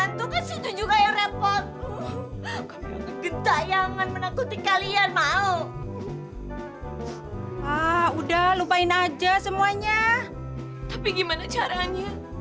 nah enak nih pesantren